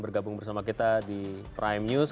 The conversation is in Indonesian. bergabung bersama kita di prime news